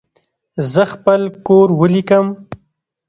زه خپل کور ولیکم.